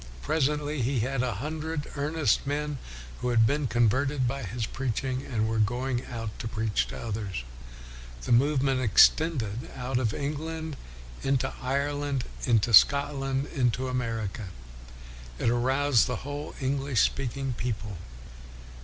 Presently he had a hundred earnest men who had been converted by his preaching, and were going out to preach to others. The movement extended out of England into Ireland, into Scotland, into America. It aroused the whole English speaking people.